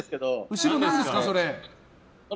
後ろ何ですか、それ。